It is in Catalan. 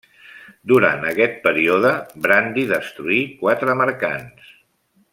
Durant aquest període Brandi destruí quatre mercants.